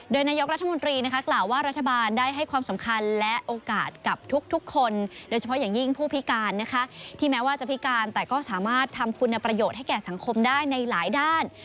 โดยนายกรัฐมนตรีกล่าวว่ารัฐบาลได้ให้ความสำคัญและโอกาสกับทุกคนโดยเฉพาะอย่างยิ่งผู้พิการนะคะที่แม้ว่าจะพิการแต่ก็สามารถทำคุณประโยชน์ให้แก่สังคมได้ในหลายด้าน